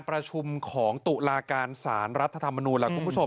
ปราชุมของตุลาการสารรัฐธรรมนูแล้ว